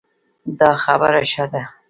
دا خبره ښه ده